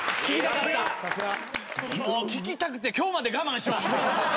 聞きたくて今日まで我慢。